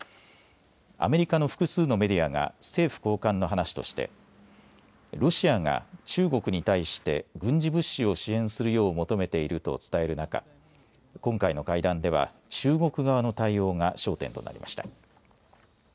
アメリカの複数のメディアが政府高官の話としてロシアが中国に対して軍事物資を支援するよう求めていると伝える中、今回の会談では中国側の対応が焦点となりました。